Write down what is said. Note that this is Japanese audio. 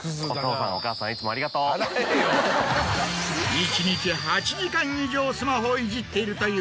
一日８時間以上スマホをいじっているという。